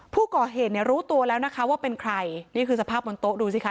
ผู้ก่อเหตุเนี่ยรู้ตัวแล้วนะคะว่าเป็นใครนี่คือสภาพบนโต๊ะดูสิคะ